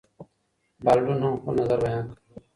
بالډون هم خپل نظر بیان کړ.